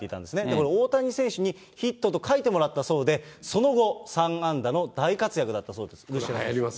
これ、大谷選手に、ヒットと書いてもらったそうで、その後、３安打の大活躍だったそうです。